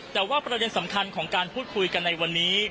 แต่ว่าประเด็นสำคัญของการพูดคุยกันในวันนี้